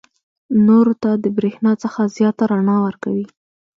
نورو ته د برېښنا څخه زیاته رڼا ورکوي.